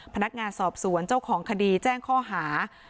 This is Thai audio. พนักงานสอบสวนเจ้าของคดีแจ้งข้อหา